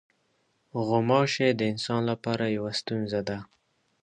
غوماشې د انسان لپاره یوه ستونزه ده.